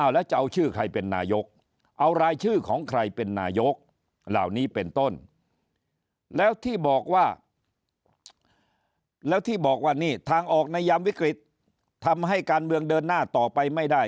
แล้วที่บอกว่าเนี้ยทางออกนัยยำวิกฤตทำให้การเมืองเดินหน้าต่อไปไม่ได้